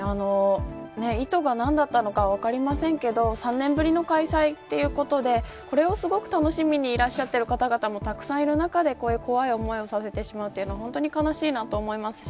意図が何だったのか分かりませんが３年ぶりの開催ということでこれを楽しみにいらっしゃっている方もたくさんいる中で怖い思いをさせてしまうのは悲しいなと思いますし